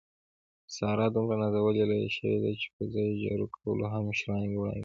ساره دومره نازولې لویه شوې، چې په ځای جارو کولو هم شړانګې وړانګې کېږي.